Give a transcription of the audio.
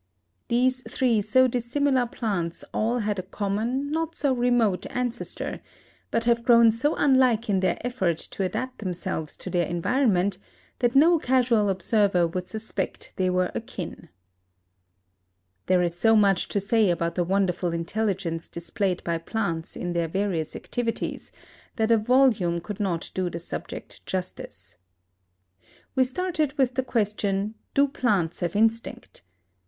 These three so dissimilar plants all had a common, not so remote, ancestor, but have grown so unlike in their effort to adapt themselves to their environment, that no casual observer would suspect they were akin. There is so much to say about the wonderful intelligence displayed by plants in their various activities, that a volume could not do the subject justice. We started with the question, Do plants have instinct?